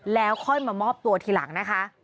แล้วค่อยมามอบตัวทีหลังนะคะ